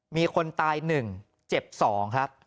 มีคนตาย๑เจ็บ๒ครับ